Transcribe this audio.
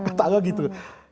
kata allah gitu